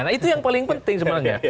nah itu yang paling penting sebenarnya